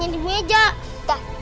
ya aku mau makan